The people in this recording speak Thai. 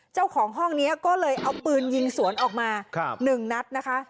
เจ้าของห้องนี้ก็เลยเอาปืนยิงสวนออกมา๑นัดนะคะ